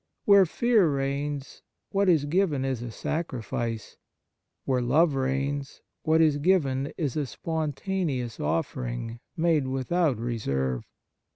Where fear reigns, what is given is a sacrifice; where love reigns, what is given is a spontaneous offering, made without reserve.